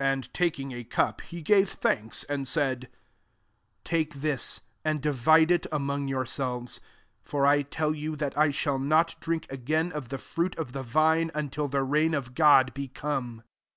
17 And taking a cup, he gave thanks, and said, ((TakethiSt and divide f/ among yourselves: 18 for I tell you, th^ I shall not drink again of the fruit of the vine, until the reign of Grod lie come."